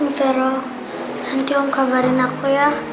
om pero nanti om kabarin aku ya